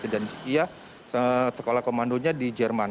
dan ia sekolah komandonya di jerman